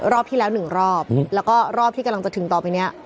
รอบที่แล้วหนึ่งรอบแล้วก็รอบที่กำลังจะถึงต่อไปเนี่ย